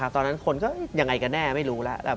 ตอนนั้นคนก็ยังไงกันแน่ไม่รู้แล้ว